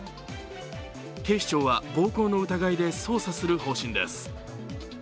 警視庁は暴行の疑いで捜査する方針です。